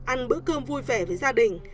ăn bữa cơm vui vẻ với gia đình